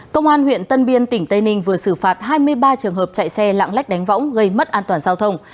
công an huyện tân biên tỉnh tây ninh vừa xử phạt hai mươi ba trường hợp chạy xe lạng lách đánh võng gây mất an toàn giao thông